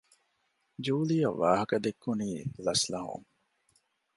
ޖޫލީއަށް ވާހަކަދެއްކުނީ ލަސްލަހުން